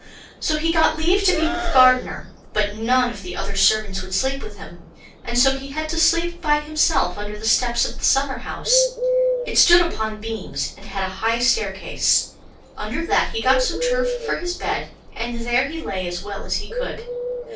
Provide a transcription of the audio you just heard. So he got leave to be with the gardener, but none of the other servants would sleep with him, and so he had to sleep by himself under the steps of the summer house. It stood upon beams, and had a high staircase. Under that he got some turf for his bed, and there he lay as well as he could.